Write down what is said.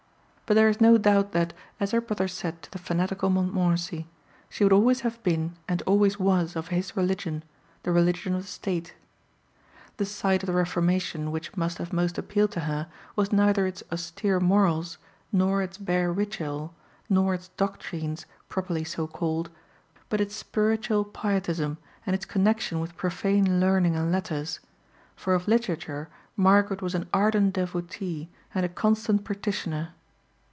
But there is no doubt that, as her brother said to the fanatical Montmorency, she would always have been and always was of his religion, the religion of the State. The side of the Reformation which must have most appealed to her was neither its austere morals, nor its bare ritual, nor its doctrines, properly so called, but its spiritual pietism and its connection with profane learning and letters; for of literature Margaret was an ardent devotee and a constant practitioner.